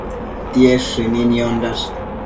Tied shënino niondash